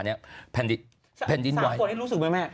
สามคนที่รู้สึกพอไหม